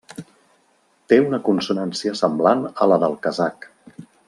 Té una consonància semblant a la del kazakh.